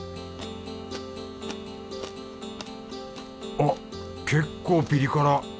あっ結構ピリ辛！